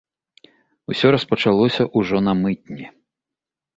Усё распачалося ўжо на мытні.